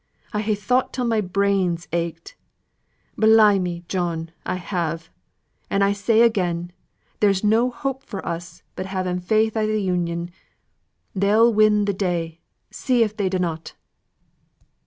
I ha' thought till my brains ached, Beli' me, John, I have. An' I say again, there's no help for us but having faith i' th' Union. They'll win the day, see if they dunnot!"